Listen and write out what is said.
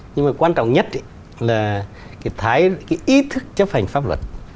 nhưng mà quan trọng nhất là cái thái cái ý thức chấp hành pháp luật